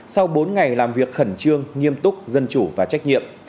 sau bốn ngày làm việc khẩn trương nghiêm túc dân chủ và trách nhiệm